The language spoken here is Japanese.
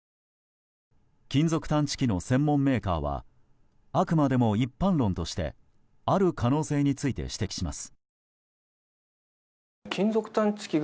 金属探知機の専門メーカーはあくまでも一般論としてある可能性について指摘します。